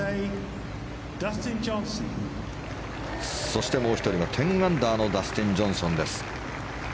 そしてもう１人の１０アンダーのダスティン・ジョンソンです。